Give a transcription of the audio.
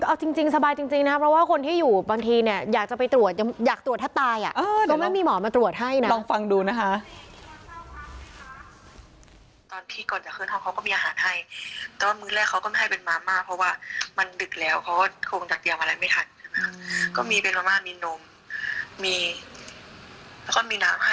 เอาจริงสบายจริงนะเพราะว่าคนที่อยู่บางทีเนี่ยอยากจะไปตรวจอยากตรวจถ้าตายอ่ะก็ไม่มีหมอมาตรวจให้นะลองฟังดูนะคะ